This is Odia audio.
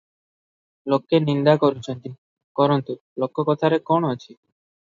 ଲୋକେ ନିନ୍ଦା କରୁଛନ୍ତି, କରନ୍ତୁ, ଲୋକ କଥାରେ କଣ ଅଛି?